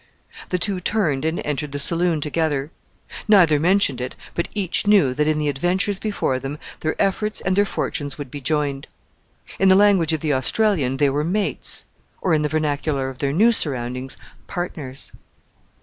The two turned and entered the saloon together. Neither mentioned it, but each knew that in the adventures before them their efforts and their fortunes would be joined. In the language of the Australian, they were mates, or, in the vernacular of their new surroundings, "partners."